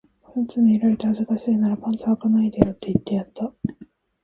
パンツ見られて恥ずかしいならパンツ履かないでよって言ってやった